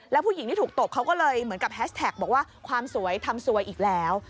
แล้วผู้หญิงที่ถูกตบเขาก็เลยเหมือนกับแฮชแท็กบอกว่าความสวยทำสวยอีกแล้ว